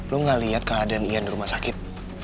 lo nga liat keadaan ian di rumah sakit